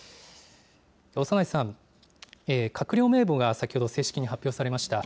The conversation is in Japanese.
長内さん、閣僚名簿が先ほど正式に発表されました。